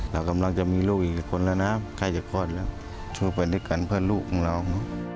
เรากำลังจะมีลูกอีกคนแล้วนะใกล้จะคลอดแล้วช่วยไปด้วยกันเพื่อลูกของเรา